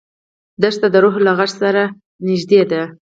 دښته د روح له غږ سره نږدې ده.